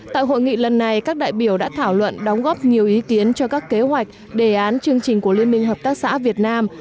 tại hội nghị lần này các đại biểu đã thảo luận đóng góp nhiều ý kiến cho các kế hoạch đề án chương trình của liên minh hợp tác xã việt nam